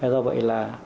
do vậy là